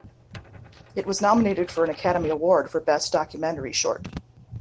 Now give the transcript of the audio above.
It was nominated for an Academy Award for Best Documentary Short.